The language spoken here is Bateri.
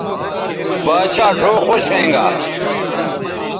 باچھا ڙھؤ خوش ھوینگا